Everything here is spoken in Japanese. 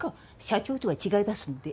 社長とは違いますんで。